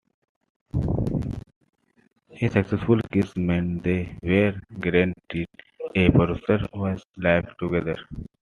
A successful kiss meant they were guaranteed a prosperous life together.